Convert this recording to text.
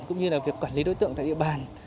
cũng như là việc quản lý đối tượng tại địa bàn